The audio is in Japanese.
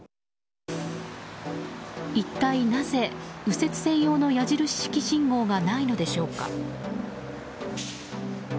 一体なぜ右折専用の矢印式信号がないのでしょうか。